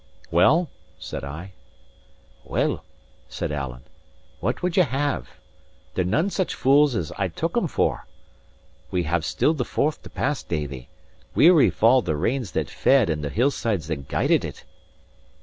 "Well?" said I. "Well," said Alan, "what would ye have? They're none such fools as I took them for. We have still the Forth to pass, Davie weary fall the rains that fed and the hillsides that guided it!"